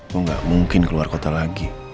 gue gak mungkin keluar kota lagi